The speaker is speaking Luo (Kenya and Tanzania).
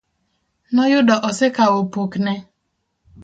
Noyudo osekawo pokne.